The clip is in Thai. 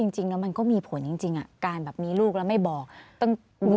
จริงแล้วมันก็มีผลจริงการแบบมีลูกแล้วไม่บอก